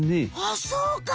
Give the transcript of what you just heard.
あそうか！